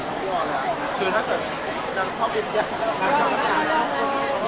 ก็บอกว่าจากขาดโทรมินอกมันจะไม่อ่อนจังอ่ะอ่อนคือ